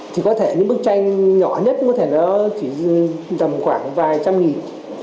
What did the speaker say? thì có thể những bức tranh nhỏ nhất có thể nó chỉ tầm khoảng vài trăm nghìn